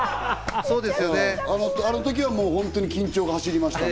あの時はもう本当に緊張が走りました。